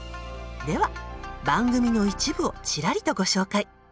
では番組の一部をちらりとご紹介。